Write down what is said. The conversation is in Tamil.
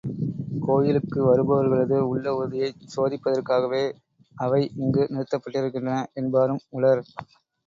கோயிலுக்கு வருபவர்களது உள்ள உறுதியைச் சோதிப்பதற்காகவே அவை இங்கு நிறுத்தப்பட்டிருக்கின்றன என்பாரும் உளர்.